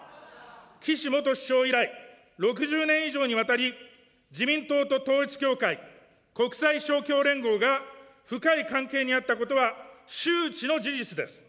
岸元首相以来、６０年以上にわたり、自民党と統一教会、国際勝共連合が深い関係にあったことは、周知の事実です。